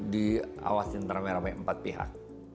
diawasin teramai ramai empat pihak